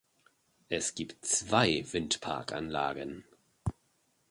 Es gibt zwei Windpark-Anlagen.